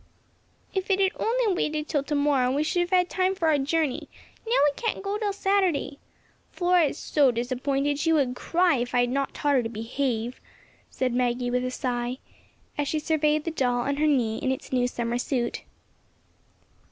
"If it had only waited till to morrow we should have had time for our journey; now we can't go till next Saturday. Flora is so disappointed she would cry if I had not taught her to behave," said Maggie with a sigh, as she surveyed the doll on her knee in its new summer suit.